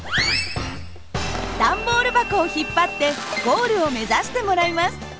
段ボール箱を引っ張ってゴールを目指してもらいます。